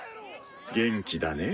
元気だねぇ。